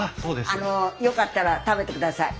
あのよかったら食べてください。